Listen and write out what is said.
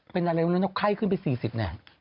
เป็นอะไรแล้วน้องข้าภายขึ้นไป๔๐แห่ง